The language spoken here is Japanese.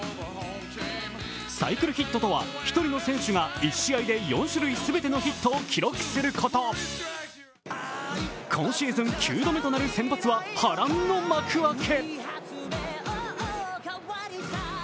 サイクルヒットとは、１人の選手が１試合で４種類全てのヒットを記録すること今シーズン９度目となる先発は波乱の幕開け。